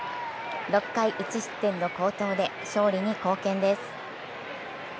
６回１失点の好投で勝利に貢献です。